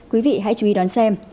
quý vị hãy chú ý đón xem